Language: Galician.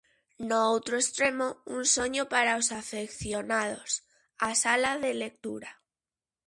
No outro extremo, un soño para os afeccionados: a sala de lectura.